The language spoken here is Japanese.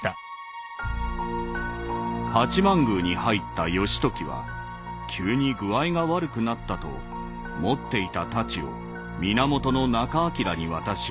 「八幡宮に入った義時は急に具合が悪くなったと持っていた太刀を源仲章に渡し館に帰った」。